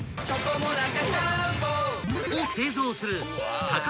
［を製造する］